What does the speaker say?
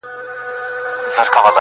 چي فتوا و میکدو ته په تلو راوړي،